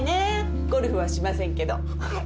ゴルフはしませんけど。